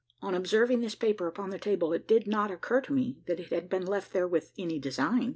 On observing this paper upon the table, it did not occur to me, that it had been left there with any design.